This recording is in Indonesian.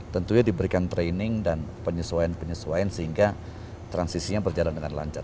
tentunya diberikan training dan penyesuaian penyesuaian sehingga transisinya berjalan dengan lancar